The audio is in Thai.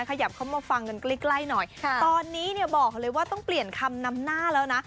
ขยับเข้ามาฟังกันใกล้ใกล้หน่อยตอนนี้เนี่ยบอกเลยว่าต้องเปลี่ยนคำนำหน้าแล้วนะ